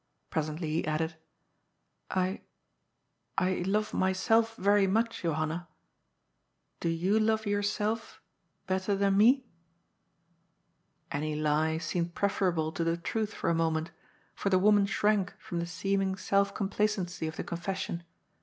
Presently he added : "I — I love myself very much, Johanna. Do you love yourself better than me ?" Any lie seemed preferable to the truth for a moment, for the woman shrank from the seeming self complacency of the confession.